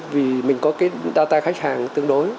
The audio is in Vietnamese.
vì mình có cái data khách hàng tương đối